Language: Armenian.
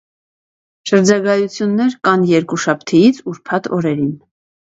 Շրջագայություններ կան երկուշաբթիից ուրբաթ օրերին։